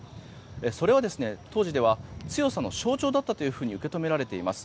それが当時では強さの象徴だったと受け止められています。